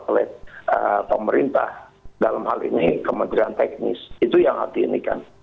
kalau melihat pemerintah dalam hal ini kementerian teknis itu yang hati hati kan